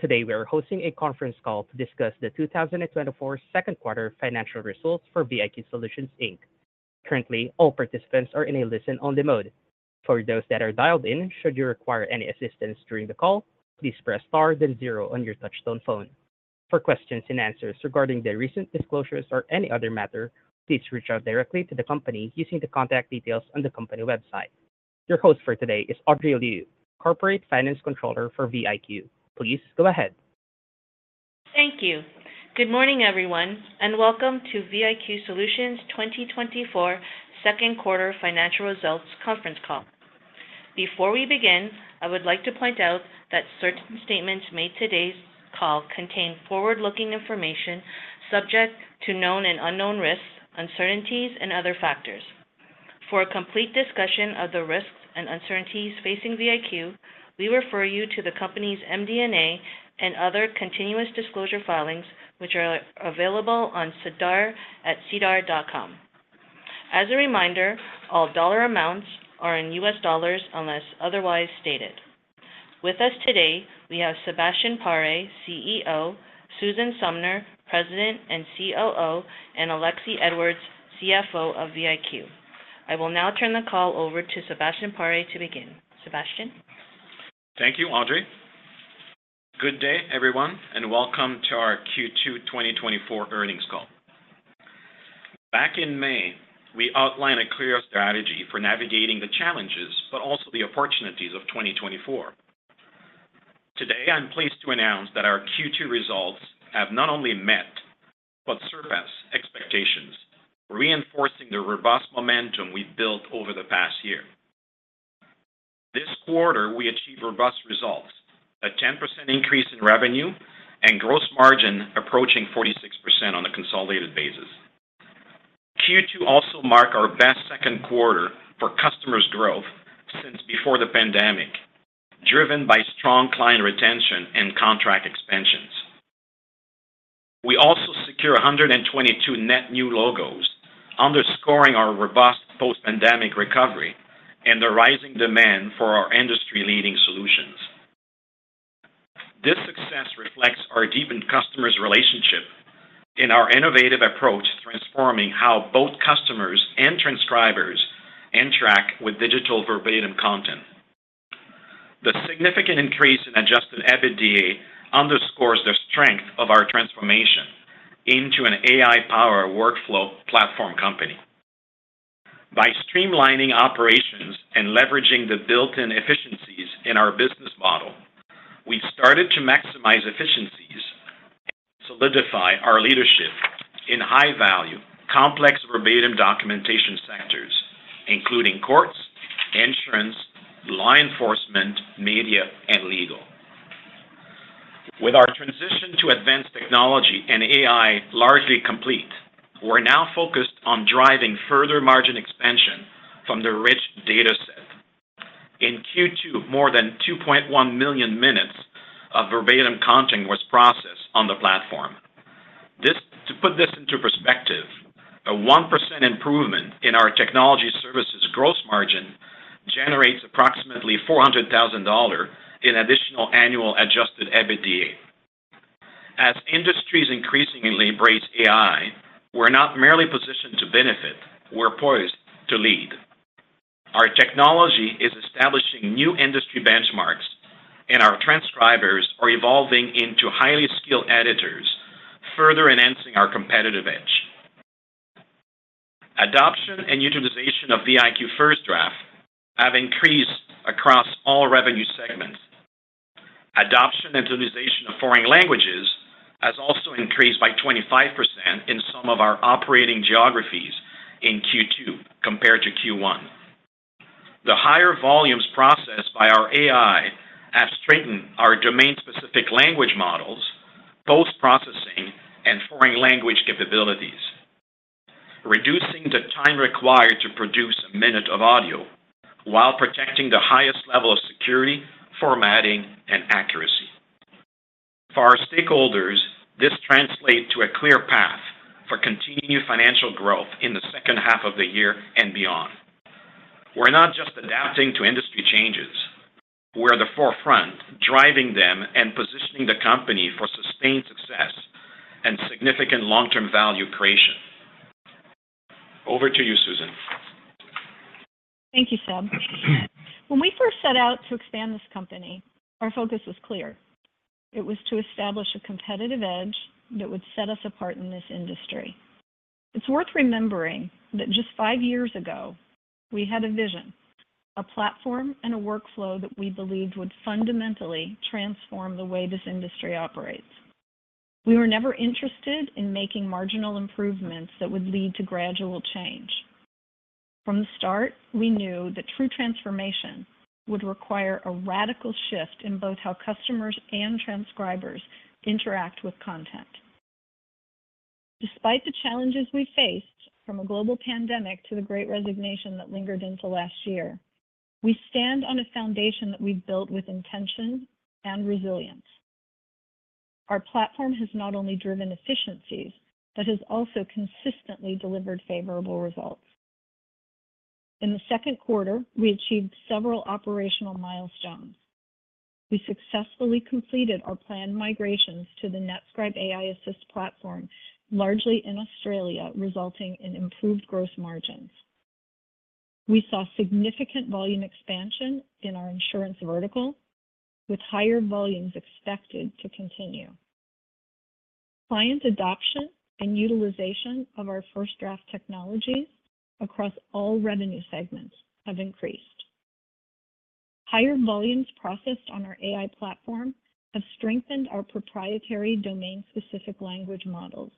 Today, we are hosting a conference call to discuss the 2024 second quarter financial results for VIQ Solutions, Inc. Currently, all participants are in a listen-only mode. For those that are dialed in, should you require any assistance during the call, please press Star, then zero on your touchtone phone. For questions and answers regarding the recent disclosures or any other matter, please reach out directly to the company using the contact details on the company website. Your host for today is Audrey Liu, Corporate Finance Controller for VIQ. Please go ahead. Thank you. Good morning, everyone, and welcome to VIQ Solutions' 2024 second quarter financial results conference call. Before we begin, I would like to point out that certain statements made in today's call contain forward-looking information subject to known and unknown risks, uncertainties, and other factors. For a complete discussion of the risks and uncertainties facing VIQ, we refer you to the company's MD&A and other continuous disclosure filings, which are available on SEDAR at sedar.com. As a reminder, all dollar amounts are in U.S. dollars unless otherwise stated. With us today, we have Sebastien Paré, CEO, Susan Sumner, President and COO, and Alexie Edwards, CFO of VIQ. I will now turn the call over to Sebastien Paré to begin. Sebastien? Thank you, Audrey. Good day, everyone, and welcome to our Q2 2024 earnings call. Back in May, we outlined a clear strategy for navigating the challenges but also the opportunities of 2024. Today, I'm pleased to announce that our Q2 results have not only met but surpassed expectations, reinforcing the robust momentum we've built over the past year. This quarter, we achieved robust results, a 10% increase in revenue and gross margin approaching 46% on a consolidated basis. Q2 also marked our best second quarter for customers' growth since before the pandemic, driven by strong client retention and contract expansions. We also secure 122 net new logos, underscoring our robust post-pandemic recovery and the rising demand for our industry-leading solutions. This success reflects our deepened customers' relationship in our innovative approach to transforming how both customers and transcribers interact with digital verbatim content. The significant increase in Adjusted EBITDA underscores the strength of our transformation into an AI-powered workflow platform company. By streamlining operations and leveraging the built-in efficiencies in our business model, we've started to maximize efficiencies and solidify our leadership in high-value, complex verbatim documentation sectors, including courts, insurance, law enforcement, media, and legal. With our transition to advanced technology and AI largely complete, we're now focused on driving further margin expansion from the rich data set. In Q2, more than 2.1 million minutes of verbatim content was processed on the platform. To put this into perspective, a 1% improvement in our technology services gross margin generates approximately $400,000 in additional annual Adjusted EBITDA. As industries increasingly embrace AI, we're not merely positioned to benefit, we're poised to lead. Our technology is establishing new industry benchmarks, and our transcribers are evolving into highly skilled editors, further enhancing our competitive edge. Adoption and utilization of FirstDraft have increased across all revenue segments. Adoption and utilization of foreign languages has also increased by 25% in some of our operating geographies in Q2 compared to Q1. The higher volumes processed by our AI have strengthened our domain-specific language models, post-processing, and foreign language capabilities, reducing the time required to produce a minute of audio while protecting the highest level of security, formatting, and accuracy. For our stakeholders, this translates to a clear path for continued financial growth in the second half of the year and beyond. We're not just adapting to industry changes, we're at the forefront, driving them and positioning the company for sustained success and significant long-term value creation. Over to you, Susan. Thank you, Seb. When we first set out to expand this company, our focus was clear. It was to establish a competitive edge that would set us apart in this industry. It's worth remembering that just five years ago, we had a vision, a platform, and a workflow that we believed would fundamentally transform the way this industry operates. We were never interested in making marginal improvements that would lead to gradual change. From the start, we knew that true transformation would require a radical shift in both how customers and transcribers interact with content. Despite the challenges we faced, from a global pandemic to the Great Resignation that lingered into last year, we stand on a foundation that we've built with intention and resilience. Our platform has not only driven efficiencies, but has also consistently delivered favorable results. In the second quarter, we achieved several operational milestones. We successfully completed our planned migrations to the NetScribe AI Assist platform, largely in Australia, resulting in improved gross margins. We saw significant volume expansion in our insurance vertical, with higher volumes expected to continue. Client adoption and utilization of our FirstDraft technologies across all revenue segments have increased. Higher volumes processed on our AI platform have strengthened our proprietary domain-specific language models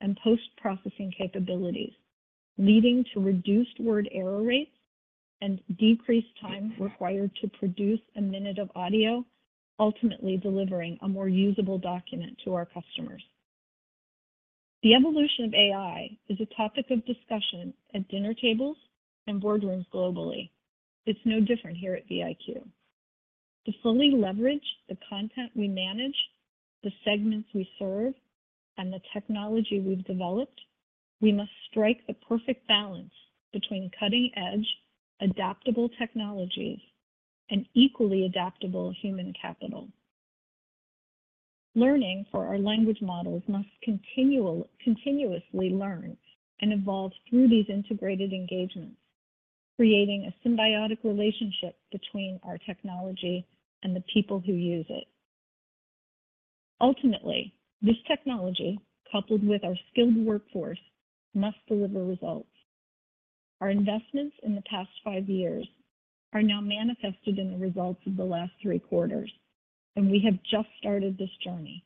and post-processing capabilities, leading to reduced word error rates and decreased time required to produce a minute of audio, ultimately delivering a more usable document to our customers. The evolution of AI is a topic of discussion at dinner tables and boardrooms globally. It's no different here at VIQ. To fully leverage the content we manage, the segments we serve, and the technology we've developed, we must strike the perfect balance between cutting-edge, adaptable technologies and equally adaptable human capital. Learning for our language models must continuously learn and evolve through these integrated engagements, creating a symbiotic relationship between our technology and the people who use it. Ultimately, this technology, coupled with our skilled workforce, must deliver results. Our investments in the past five years are now manifested in the results of the last three quarters, and we have just started this journey.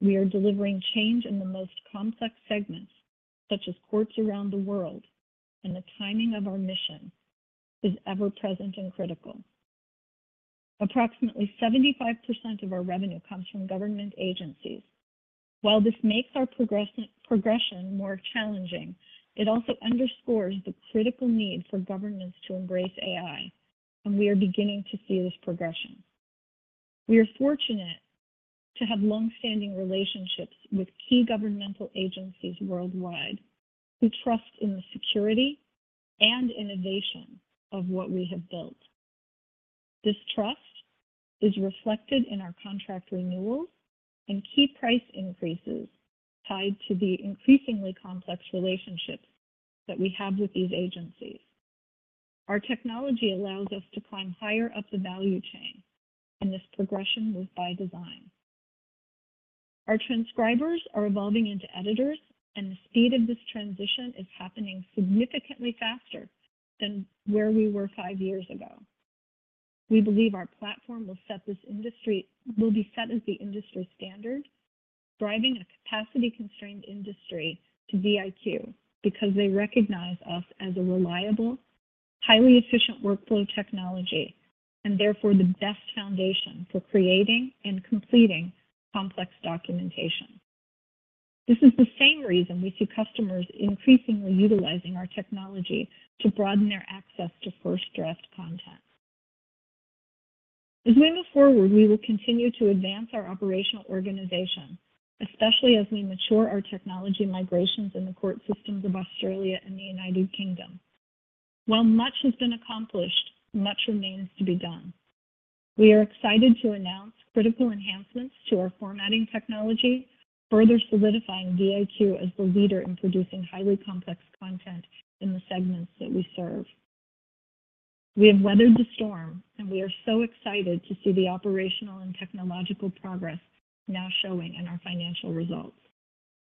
We are delivering change in the most complex segments, such as courts around the world, and the timing of our mission is ever present and critical. Approximately 75% of our revenue comes from government agencies. While this makes our progression more challenging, it also underscores the critical need for governments to embrace AI, and we are beginning to see this progression. We are fortunate to have long-standing relationships with key governmental agencies worldwide, who trust in the security and innovation of what we have built. This trust is reflected in our contract renewals and key price increases tied to the increasingly complex relationships that we have with these agencies. Our technology allows us to climb higher up the value chain, and this progression is by design. Our transcribers are evolving into editors, and the speed of this transition is happening significantly faster than where we were five years ago. We believe our platform will be set as the industry standard, driving a capacity-constrained industry to VIQ, because they recognize us as a reliable, highly efficient workflow technology, and therefore, the best foundation for creating and completing complex documentation. This is the same reason we see customers increasingly utilizing our technology to broaden their access to first draft content. As we move forward, we will continue to advance our operational organization, especially as we mature our technology migrations in the court systems of Australia and the United Kingdom. While much has been accomplished, much remains to be done. We are excited to announce critical enhancements to our formatting technology, further solidifying VIQ as the leader in producing highly complex content in the segments that we serve. We have weathered the storm, and we are so excited to see the operational and technological progress now showing in our financial results.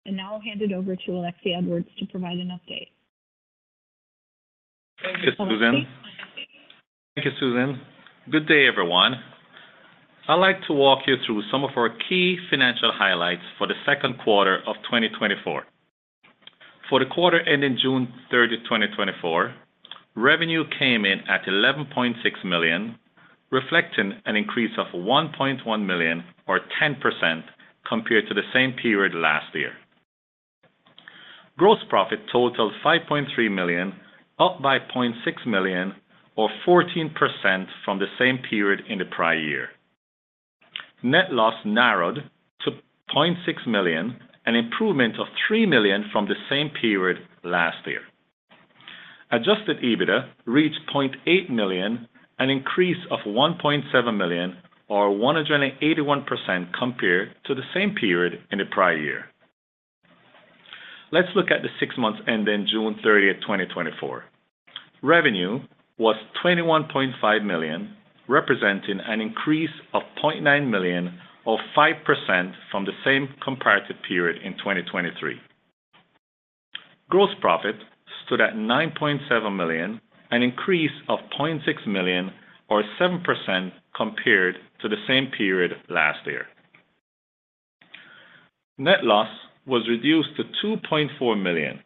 And now I'll hand it over to Alexie Edwards to provide an update. Thank you, Susan. Thank you, Susan. Good day, everyone. I'd like to walk you through some of our key financial highlights for the second quarter of 2024. For the quarter ending June 30, 2024, revenue came in at $11.6 million, reflecting an increase of $1.1 million, or 10%, compared to the same period last year. Gross profit totaled $5.3 million, up by $0.6 million, or 14% from the same period in the prior year. Net loss narrowed to $0.6 million, an improvement of $3 million from the same period last year. Adjusted EBITDA reached $0.8 million, an increase of $1.7 million, or 181%, compared to the same period in the prior year. Let's look at the six months ending June 30th, 2024. Revenue was $21.5 million, representing an increase of $0.9 million, or 5%, from the same comparative period in 2023. Gross profit stood at $9.7 million, an increase of $0.6 million, or 7%, compared to the same period last year. Net loss was reduced to $2.4 million,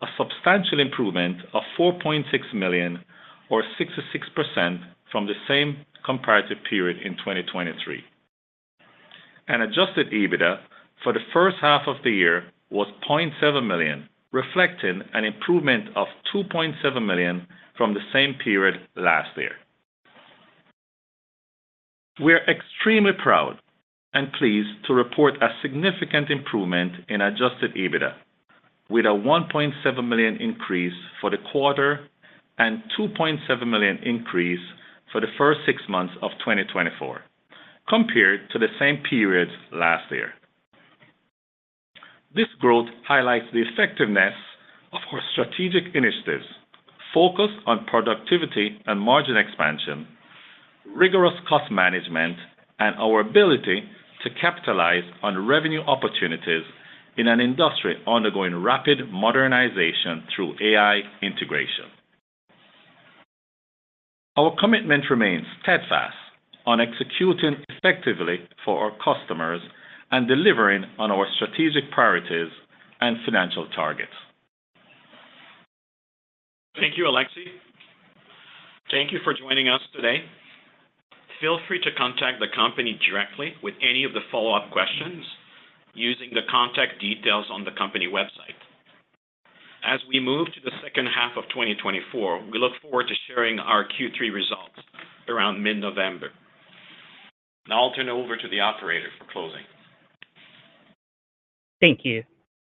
a substantial improvement of $4.6 million, or 66%, from the same comparative period in 2023. Adjusted EBITDA for the first half of the year was $0.7 million, reflecting an improvement of $2.7 million from the same period last year. We are extremely proud and pleased to report a significant improvement in Adjusted EBITDA, with a $1.7 million increase for the quarter and $2.7 million increase for the first six months of 2024, compared to the same period last year. This growth highlights the effectiveness of our strategic initiatives, focused on productivity and margin expansion, rigorous cost management, and our ability to capitalize on revenue opportunities in an industry undergoing rapid modernization through AI integration. Our commitment remains steadfast on executing effectively for our customers and delivering on our strategic priorities and financial targets. Thank you, Alexie. Thank you for joining us today. Feel free to contact the company directly with any of the follow-up questions using the contact details on the company website. As we move to the second half of 2024, we look forward to sharing our Q3 results around mid-November. Now I'll turn it over to the operator for closing. Thank you.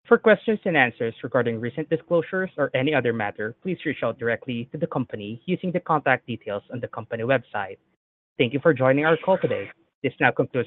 For questions and answers regarding recent disclosures or any other matter, please reach out directly to the company using the contact details on the company website. Thank you for joining our call today. This now concludes.